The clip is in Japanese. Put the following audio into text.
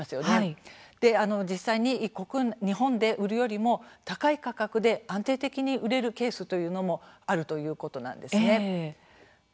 実際に日本で売るよりも高い価格で安定的に売れるケースというのもあるということなんですね。